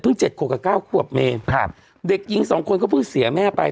เพิ่งเจ็ดโคกะเก้าควบเมครับเด็กยิงสองคนก็เพิ่งเสียแม่ไป